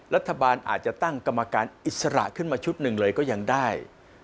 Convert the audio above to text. รัฐบาลอาจจะตั้งกรรมการอิสระขึ้นมาชุดหนึ่งเลยก็ยังได้